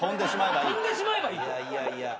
飛んでしまえばいいと。